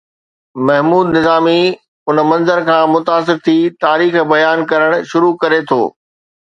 محمود نظامي ان منظر کان متاثر ٿي تاريخ بيان ڪرڻ شروع ڪري ٿو